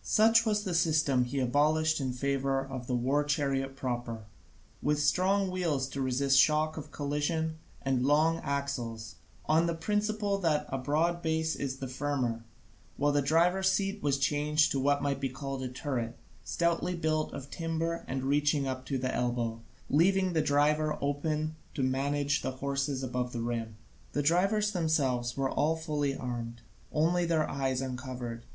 Such was the system he abolished in favour of the war chariot proper, with strong wheels to resist the shock of collision, and long axles, on the principle that a broad base is the firmer, while the driver's seat was changed into what might be called a turret, stoutly built of timber and reaching up to the elbow, leaving the driver room to manage the horses above the rim. The drivers themselves were all fully armed, only their eyes uncovered.